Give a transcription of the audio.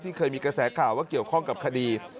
เคยมีกระแสข่าวว่าเกี่ยวข้องกับคดี